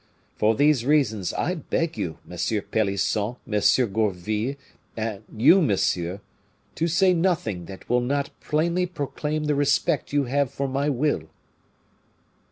For these reasons, I beg you, Monsieur Pelisson, Monsieur Gourville, and you, Monsieur , to say nothing that will not plainly proclaim the respect you have for my will."